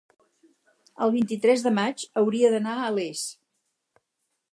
el vint-i-tres de maig hauria d'anar a Les.